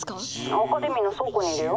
「アカデミーの倉庫にいるよ」。